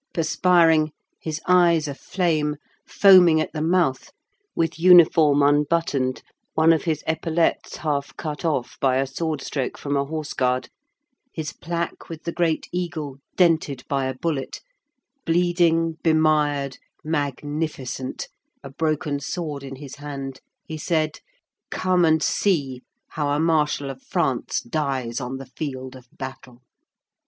Perspiring, his eyes aflame, foaming at the mouth, with uniform unbuttoned, one of his epaulets half cut off by a sword stroke from a horseguard, his plaque with the great eagle dented by a bullet; bleeding, bemired, magnificent, a broken sword in his hand, he said, "Come and see how a Marshal of France dies on the field of battle!"